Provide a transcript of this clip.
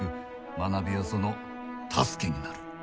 学びはその助けになる。